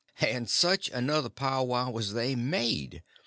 And such another powwow as they made!